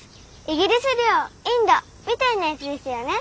イギリス領インドみたいなやつですよね。